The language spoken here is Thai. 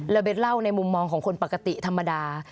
แล้วเบ้นเล่าในมุมมองของคนปกติธรรมดา